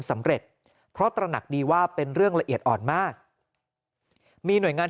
สำเร็จเพราะตระหนักดีว่าเป็นเรื่องละเอียดอ่อนมากมีหน่วยงาน